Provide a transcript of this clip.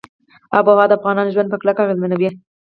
آب وهوا د افغانانو ژوند په کلکه اغېزمنوي.